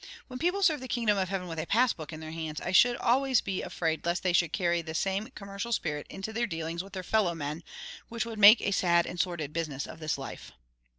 When people serve the kingdom of heaven with a pass book in their hands, I should always be afraid lest they should carry the same commercial spirit into their dealings with their fellow men, which would make a sad and sordid business of this life.